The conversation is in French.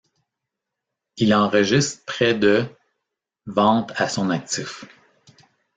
Il enregistre près de ventes à son actif.